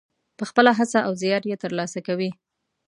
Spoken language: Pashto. په خپله هڅه او زیار یې ترلاسه کوي.